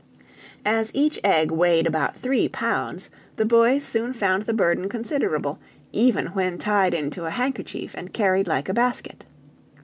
As each egg weighed about three pounds, the boys soon found the burden considerable, even when tied into a handkerchief and carried like a basket.